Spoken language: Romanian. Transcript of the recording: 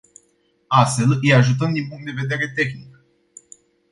Astfel, îi ajutăm din punct de vedere tehnic.